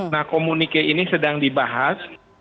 nah komunike ini sedang dibahas